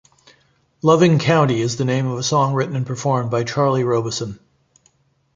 "Loving County" is the name of a song written and performed by Charlie Robison.